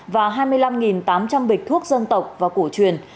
và hai mươi năm tám trăm linh bịch thuốc dân tộc và cổ truyền